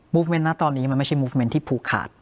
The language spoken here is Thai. เมนต์นะตอนนี้มันไม่ใช่มูฟเมนต์ที่ผูกขาด